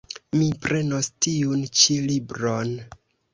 Mi prenos tiun ĉi libron.